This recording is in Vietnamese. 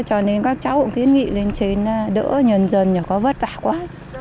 cho nên các cháu cũng kiến nghị lên trên đỡ nhân dân chẳng có vất vả quá